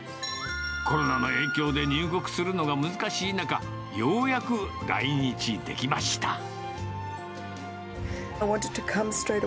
コロナの影響で入国するのが難しい中、ようやく来日できました。